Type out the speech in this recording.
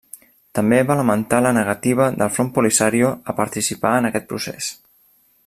També va lamentar la negativa del Front Polisario a participar en aquest procés.